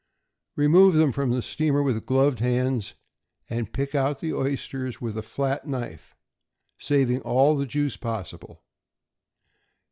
Remove them from the steamer with gloved hands, and pick out the oysters with a flat knife, saving all the juice possible.